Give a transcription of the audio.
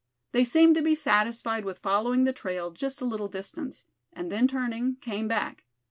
They seemed to be satisfied with following the trail just a little distance; and then turning, came back.